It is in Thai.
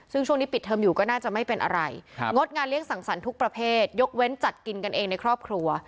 ซึ่งช่วงนี้ปิดเทอมอยู่ก็น่าจะไม่เป็นอะไรงดงานเลี้ยสั่งสรรค์ทุกประเภทยกเว้นจัดกินกันเองในครอบครัว